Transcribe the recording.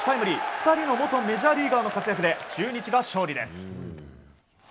２人の元メジャーリーガーの活躍で、中日が勝利です。